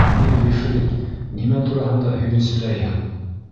— Эй ғифрит, нимә тураһында һөйөнсөләйһең?